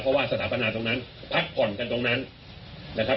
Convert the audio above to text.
เพราะว่าสถาปนาตรงนั้นพักผ่อนกันตรงนั้นนะครับ